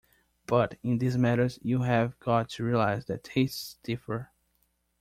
But in these matters you have got to realize that tastes differ.